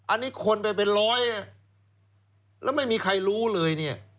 อันนี้คนไปเป็นร้อยแล้วไม่มีใครรู้เลยเนี่ย